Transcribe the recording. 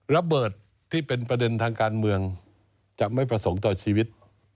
ระเบิดที่เป็นประเด็นทางการเมืองจะไม่ประสงค์ต่อชีวิต